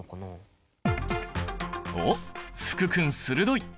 おっ福君鋭い！